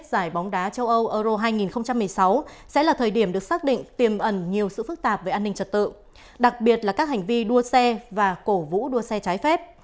đó là thời điểm được xác định tiềm ẩn nhiều sự phức tạp về an ninh trật tự đặc biệt là các hành vi đua xe và cổ vũ đua xe trái phép